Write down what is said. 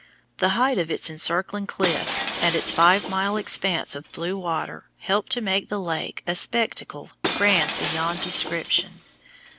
The height of its encircling cliffs and its five mile expanse of blue water help to make the lake a spectacle grand beyond description.